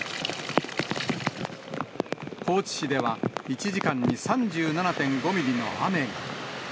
高知市では、１時間に３７．５ミリの雨が。